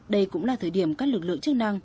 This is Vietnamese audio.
đây cũng là thời điểm các lực lượng chức năng